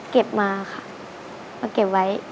เก็บมาค่ะมาเก็บไว้